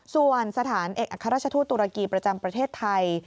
ส่วนสถานเอกอัครราชทูตตุรกีประจำประเทศไทย